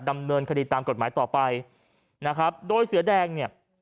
ดำเนินคดีตามกฎหมายต่อไปนะครับโดยเสือแดงเนี่ย